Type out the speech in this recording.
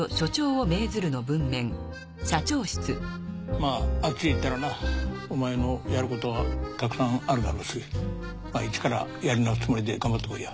まああっちへ行ったらなお前もやることはたくさんあるだろうし一からやり直すつもりで頑張ってこいや。